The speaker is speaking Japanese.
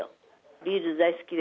ビール大好きで。